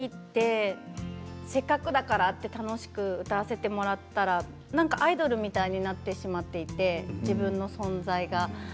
でも気が付いたら歌が好きってせっかくだからって楽しく歌わせてもらったらなんかアイドルみたいになってしまっていて、自分の存在が。